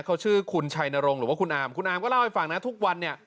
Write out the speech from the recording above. เขาชื่อคุณชัยนรงค์หรือว่าคุณอามคุณอาร์มก็เล่าให้ฟังนะทุกวันเนี่ย